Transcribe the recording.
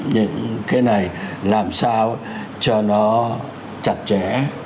những cái này làm sao cho nó chặt chẽ